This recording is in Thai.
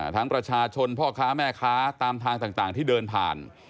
ประชาชนพ่อค้าแม่ค้าตามทางต่างที่เดินผ่าน